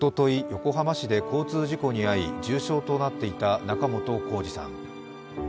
横浜市で交通事故に遭い重傷となっていた仲本工事さん。